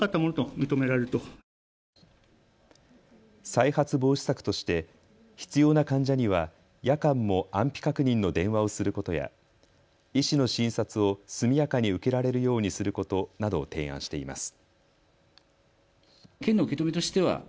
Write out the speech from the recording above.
再発防止策として必要な患者には夜間も安否確認の電話をすることや、医師の診察を速やかに受けられるようにすることなどを提案しています。